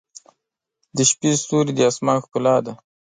• د شپې ستوري د آسمان ښکلا ده.